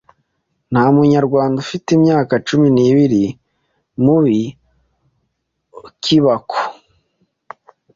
nta munyarwanda ufite imyaka cumi nibiri mubi ukibako